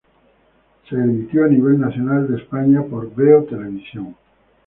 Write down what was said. Se emitió a nivel nacional de España por Veo Televisión.